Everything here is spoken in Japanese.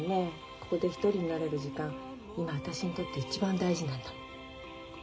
ここで１人になれる時間今私にとって一番大事なんだもん。